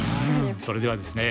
それではですね